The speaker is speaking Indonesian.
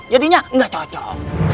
jadinya gak cocok